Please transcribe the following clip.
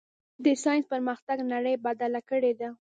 د ساینس پرمختګ نړۍ بدله کړې ده.